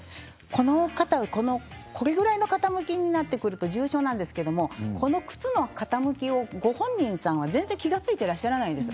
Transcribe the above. この方はこれくらいの傾きになってくると重傷なんですけれどこの靴の傾きを、ご本人さんは全然気付いていらっしゃらないです。